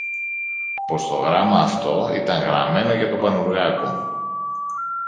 πως το γράμμα αυτό ήταν γραμμένο για τον Πανουργάκο.